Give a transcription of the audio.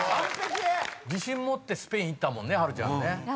自信持ってスペインいったもんね波瑠ちゃん。